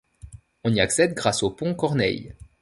On y accède grâce au pont Corneille.